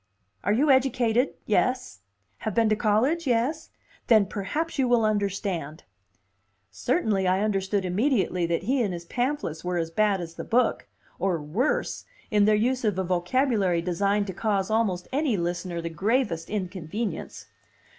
"Are you educated, yes? Have been to college, yes? Then perhaps you will understand." Certainly I understood immediately that he and his pamphlets were as bad as the book, or worse, in their use of a vocabulary designed to cause almost any listener the gravest inconvenience.